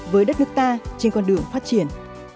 với đất nước ta trên con đường phát triển